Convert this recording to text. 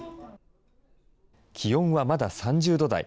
気温はまだ３０度台。